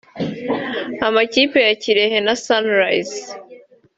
Amakipe ya Kirehe na Sunrise